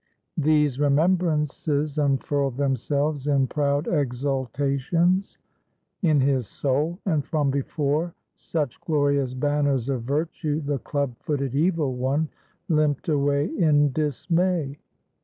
These remembrances unfurled themselves in proud exultations in his soul; and from before such glorious banners of Virtue, the club footed Evil One limped away in dismay.